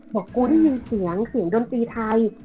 บอกกูได้ยินเสียงเสียงดนตรีไทย